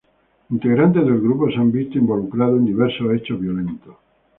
Integrantes del grupo se han visto involucrados en diversos hechos violentos.